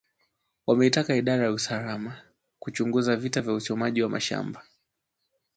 wameitaka idara ya usalama kuchunguza visa vya uchomaji wa mashamba